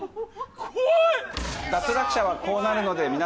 ・怖い！